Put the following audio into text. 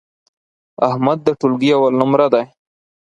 احمد د ټولگي اول نمره دی.